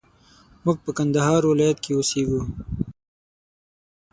موږ په کندهار ولايت کښي اوسېږو